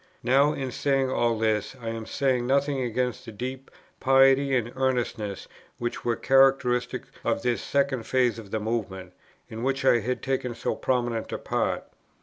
Now, in saying all this, I am saying nothing against the deep piety and earnestness which were characteristics of this second phase of the Movement, in which I had taken so prominent a part.